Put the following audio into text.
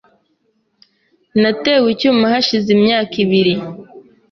Natewe icyuma hashize imyaka ibiri .